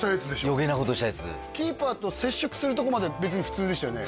余計なことしたやつキーパーと接触するとこまでは別に普通でしたよね